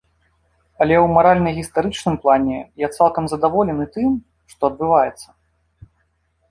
Але ў маральна-гістарычным плане я цалкам задаволены тым, што адбываецца.